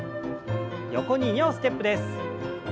横に２歩ステップです。